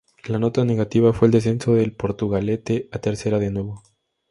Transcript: La nota negativa fue el descenso del Portugalete a Tercera de nuevo.